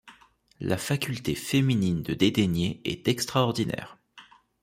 La faculté féminine de dédaigner est extraordinaire.